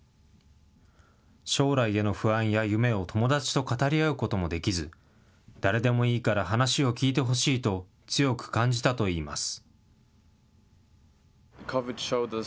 将来への不安や夢を友達と語り合うこともできず、誰でもいいから話を聞いてほしいと、強く感じたといいます。